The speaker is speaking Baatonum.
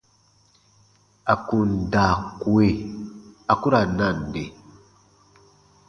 À kun daa kue, a ku ra nande.